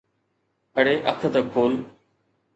اڙي اک تہ کول.